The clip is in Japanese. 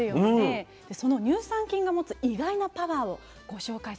その乳酸菌が持つ意外なパワーをご紹介させて下さい。